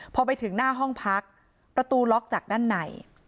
พอไปถึงหน้าห้องพักประตูล็อกจากด้านใน